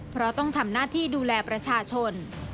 เพราะต้องทำหน้าที่ดูแลประชาชน